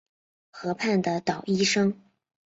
河畔的捣衣声